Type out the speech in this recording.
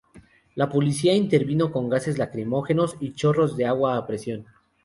La policía intervino con gases lacrimógenos y chorros de agua a presión.